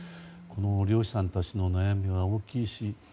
漁師さんたちの悩みは大きいし。